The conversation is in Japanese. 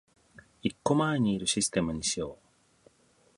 一個前にいるシステムにしよう